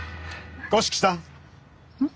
五色さん。